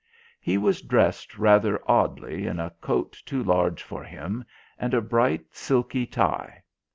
He was dressed rather oddly in a coat too large for him and a bright silky tie.